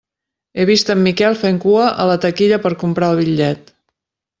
He vist en Miquel fent cua a la taquilla per comprar el bitllet.